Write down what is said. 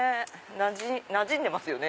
なじんでますよね。